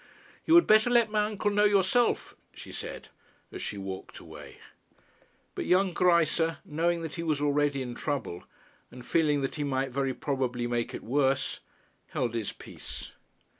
'You had better let my uncle know yourself,' she said, as she walked away. But young Greisse, knowing that he was already in trouble, and feeling that he might very probably make it worse, held his peace.